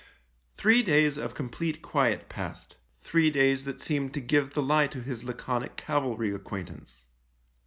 Three days of complete quiet passed —■ three days that seemed to give the lie to his laconic cavalry acquaintance.